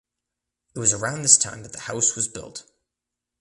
It was around this time that the house was built.